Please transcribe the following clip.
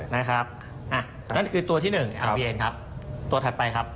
นั่นคือตัวที่หนึ่งอาเบียนครับตัวถัดไปครับ